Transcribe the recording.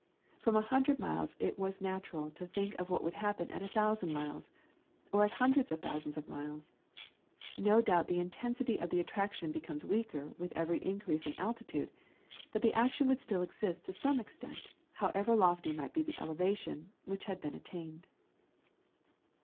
From a hundred miles it was natural to think of what would happen at a thousand miles, or at hundreds of thousands of miles. No doubt the intensity of the attraction becomes weaker with every increase in the altitude, but that action would still exist to some extent, however lofty might be the elevation which had been attained.